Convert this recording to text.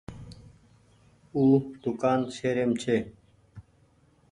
او دوڪآن شهريم ڇي۔